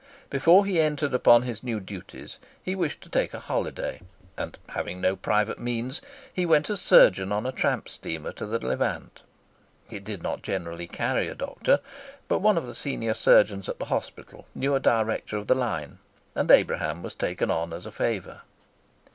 Before he entered upon his new duties he wished to take a holiday, and, having no private means, he went as surgeon on a tramp steamer to the Levant. It did not generally carry a doctor, but one of the senior surgeons at the hospital knew a director of the line, and Abraham was taken as a favour.